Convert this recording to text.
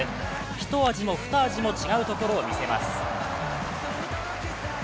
ひと味もふた味も違うところを見せます。